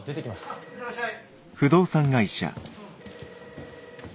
うん行ってらっしゃい。